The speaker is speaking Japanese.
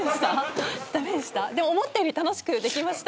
でも、思ったより楽しくできました。